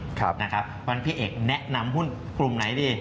วันนั้นพี่เอกเอกมาแนะนำหุ้นคลุมไหนดี